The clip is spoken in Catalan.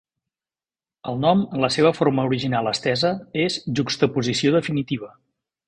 El nom en la seva forma original estesa és Juxtaposició definitiva.